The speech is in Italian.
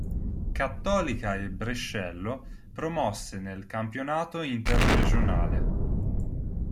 Cattolica e Brescello promosse nel Campionato Interregionale